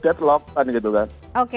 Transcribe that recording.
deadlock kan gitu kan